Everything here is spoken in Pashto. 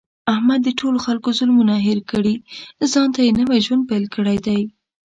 احمد د ټولو خلکو ظلمونه هېر کړي، ځانته یې نوی ژوند پیل کړی دی.